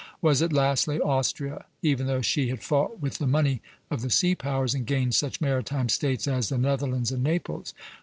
Was it, lastly, Austria, even though she had fought with the money of the sea powers, and gained such maritime States as the Netherlands and Naples?